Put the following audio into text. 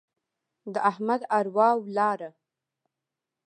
د احمد اروا ولاړه.